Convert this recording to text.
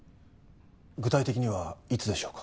具体的にはいつでしょうか？